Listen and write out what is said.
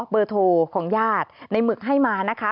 เบอร์โทรของญาติในหมึกให้มานะคะ